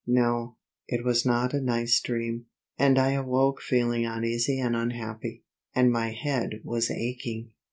No, it was not a nice dream, and I awoke feeling uneasy and unhappy; and my head was aching.